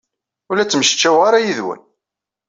Ur la ttmecčiweɣ ara yid-wen.